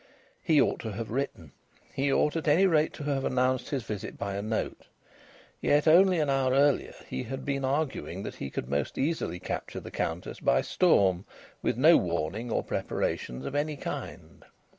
He ought to have written. He ought, at any rate, to have announced his visit by a note. Yet only an hour earlier he had been arguing that he could most easily capture the Countess by storm, with no warning or preparations of any kind.